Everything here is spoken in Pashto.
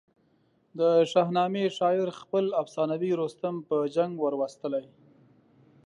د شاهنامې شاعر خپل افسانوي رستم په جنګ وروستلی.